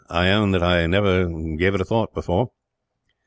I own that I had never given it a thought, before."